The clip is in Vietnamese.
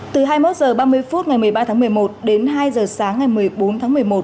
từ hai mươi một h ba mươi phút ngày một mươi ba tháng một mươi một đến hai h sáng ngày một mươi bốn tháng một mươi một